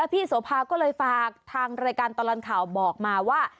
พี่โสภาก็เลยฝากทางรายการตลอดข่าวบอกมาว่า